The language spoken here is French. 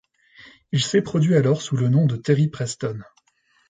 Il s'est produit alors sous le nom de Terry Preston.